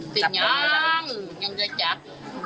ติดยังยังได้จับ